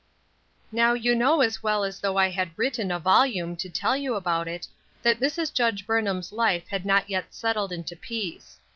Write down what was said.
NOW you know as well as though I had written a volume to tell you about it, that Mrs. Judge Burnham's life had not yet settled into peace.